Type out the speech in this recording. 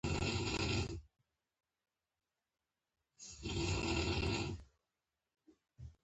هغوی په سپین سرود کې پر بل باندې ژمن شول.